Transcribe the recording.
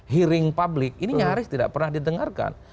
hearing public ini nyaris tidak pernah didengarkan